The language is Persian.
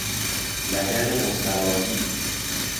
لگن مستراحی